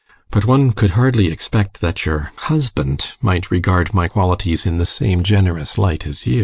But one could hardly expect that your husband might regard my qualities in the same generous light as you.